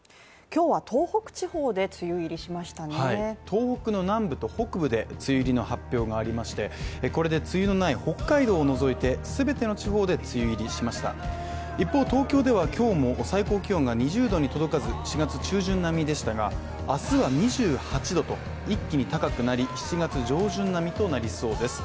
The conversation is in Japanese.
東北の南部と北部で梅雨入りの発表がありましてこれで梅雨入りのない北海道を除いて、全ての地方で梅雨入りしました一方東京では今日も最高気温が２０℃に届かず、４月中旬並みでしたが、明日は２８度と一気に高くなり、７月上旬並みとなりそうです。